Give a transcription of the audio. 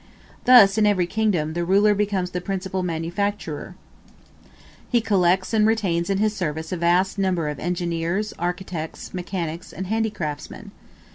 Thus, in every kingdom, the ruler becomes the principal manufacturer; he collects and retains in his service a vast number of engineers, architects, mechanics, and handicraftsmen.